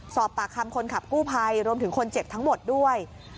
สอบปากคำคนขับกู้ภัยรวมถึงคนเจ็บทั้งหมดด้วย